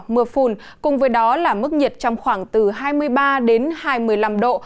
mưa phùn cùng với đó là mức nhiệt trong khoảng từ hai mươi ba đến hai mươi năm độ